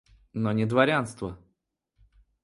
Но не дворянство.